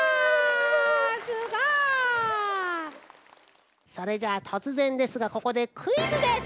すごい！それじゃあとつぜんですがここでクイズです。